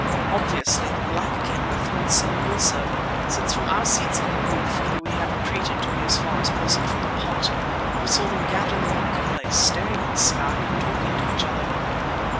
Obviously the Black Kendah thought so also, since from our seats on the roof, whither we had retreated to be as far as possible from the pot, we saw them gathered in the market place, staring at the sky and talking to each other.